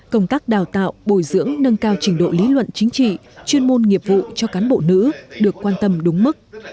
công tác đào tạo bồi dưỡng nâng cao trình độ lý luận chính trị chuyên môn nghiệp vụ cho cán bộ nữ được quan tâm đúng mức